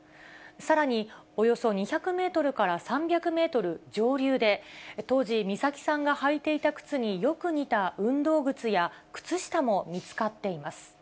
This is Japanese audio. さらに、およそ２００メートルから３００メートル上流で、当時美咲さんが履いていた靴によく似た運動靴や、靴下も見つかっています。